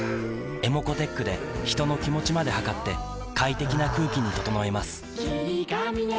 ｅｍｏｃｏーｔｅｃｈで人の気持ちまで測って快適な空気に整えます